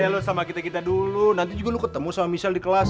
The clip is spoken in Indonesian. ya lo sama kita kita dulu nanti juga lu ketemu sama michelle di kelas